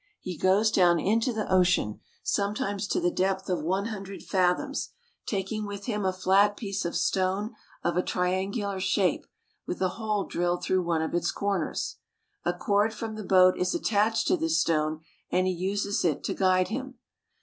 He goes down into the ocean, sometimes to the depth of 100 fathoms, taking with him a flat piece of stone of a triangular shape, with a hole drilled through one of its corners. A cord from the boat is attached to this stone and he uses it to guide him.